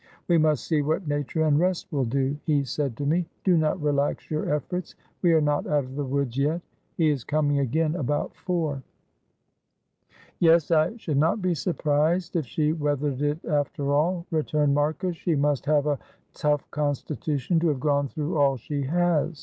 'We must see what nature and rest will do,' he said to me; 'do not relax your efforts, we are not out of the woods yet.' He is coming again about four." "Yes, I should not be surprised if she weathered it after all," returned Marcus; "she must have a tough constitution to have gone through all she has.